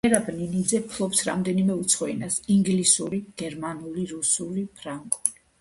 მერაბ ნინიძე ფლობს რამდენიმე უცხო ენას: ინგლისური, გერმანული, რუსული, ფრანგული.